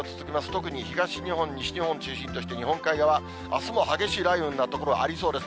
特に東日本、西日本を中心とした日本海側、あすも激しい雷雨になる所ありそうです。